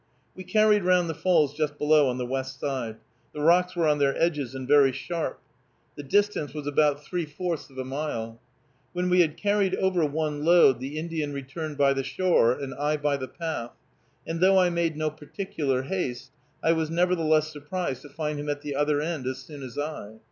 We carried round the falls just below, on the west side. The rocks were on their edges, and very sharp. The distance was about three fourths of a mile. When we had carried over one load, the Indian returned by the shore, and I by the path, and though I made no particular haste, I was nevertheless surprised to find him at the other end as soon as I.